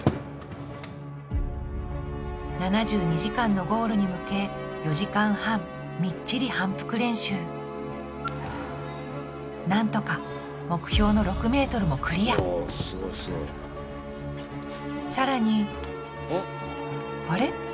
７２時間のゴールに向け４時間半みっちり反復練習なんとか目標の６ｍもクリアさらにあれ？